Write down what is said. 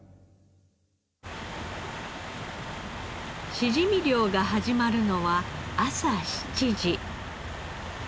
しじみ漁が始まるのは朝７時。